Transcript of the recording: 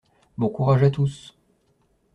Bon courage à tous.